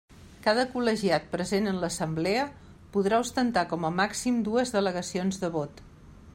Cada col·legiat present en l'Assemblea podrà ostentar com a màxim dues delegacions de vot.